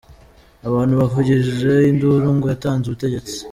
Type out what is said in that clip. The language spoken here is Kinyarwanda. Abantu bavugije induru ngo natanze ubutegetsi.